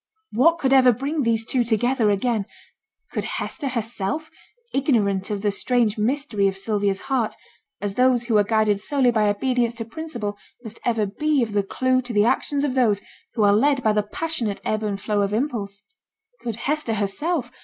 What could ever bring these two together again? Could Hester herself ignorant of the strange mystery of Sylvia's heart, as those who are guided solely by obedience to principle must ever be of the clue to the actions of those who are led by the passionate ebb and flow of impulse? Could Hester herself?